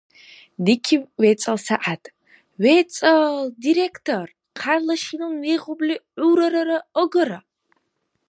Дикиб вецӀал сягӀят! ВецӀ-а-ал! Директор, хъярла шинван вегъубли, гӀуррара агара!